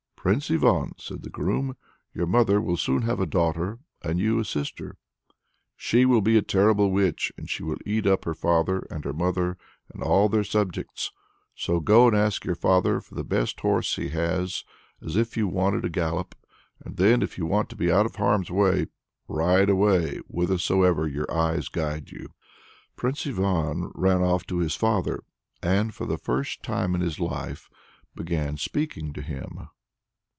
"Prince Ivan!" said the groom, "your mother will soon have a daughter, and you a sister. She will be a terrible witch, and she will eat up her father, and her mother, and all their subjects. So go and ask your father for the best horse he has as if you wanted a gallop and then, if you want to be out of harm's way, ride away whithersoever your eyes guide you." Prince Ivan ran off to his father and, for the first time in his life, began speaking to him.